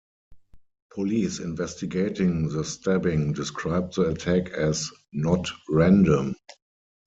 Police investigating the stabbing described the attack as "not random".